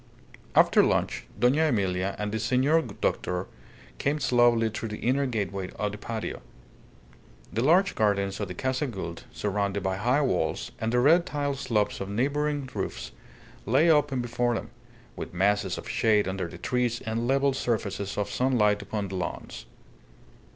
After lunch, Dona Emilia and the senor doctor came slowly through the inner gateway of the patio. The large gardens of the Casa Gould, surrounded by high walls, and the red tile slopes of neighbouring roofs, lay open before them, with masses of shade under the trees and level surfaces of sunlight upon the lawns.